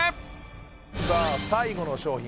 さあ最後の商品